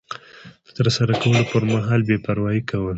د ترسره کولو پر مهال بې پروایي کول